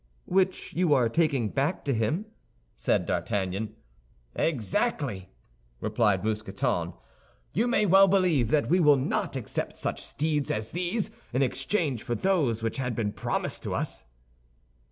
"Which you are taking back to him?" said D'Artagnan. "Exactly!" replied Mousqueton. "You may well believe that we will not accept such steeds as these in exchange for those which had been promised to us."